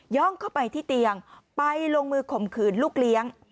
่องเข้าไปที่เตียงไปลงมือข่มขืนลูกเลี้ยง